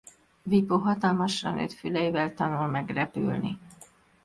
Vipo hatalmasra nőtt füleivel tanul meg repülni.